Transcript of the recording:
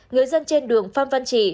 người dân trên đường phan văn trị